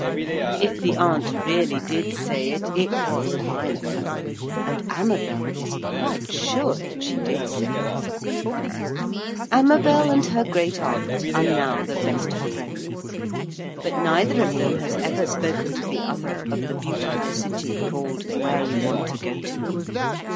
If the aunt really did say it, it was fine of her. And Amabel is quite sure that she did say it. Amabel and her great aunt are now the best of friends. But neither of them has ever spoken to the other of the beautiful city called '_Whereyouwantogoto.